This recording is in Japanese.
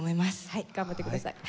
はい頑張ってください。